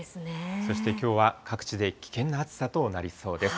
そしてきょうは各地で危険な暑さとなりそうです。